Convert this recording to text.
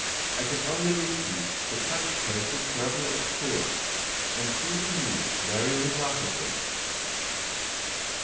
I can only repeat that such cases certainly occur, and seem to me very remarkable.